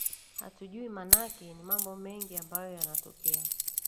hatujui maanake ni mambo mengi ambayo yanayotokea